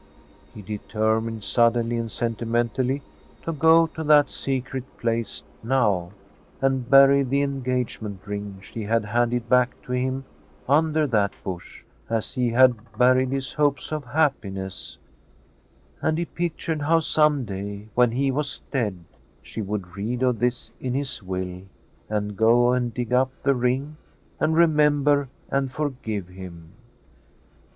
He determined suddenly and sentimentally to go to that secret place now, and bury the engagement ring she had handed back to him under that bush as he had buried his hopes of happiness, and he pictured how some day when he was dead she would read of this in his will, and go and dig up the ring, and remember and forgive him.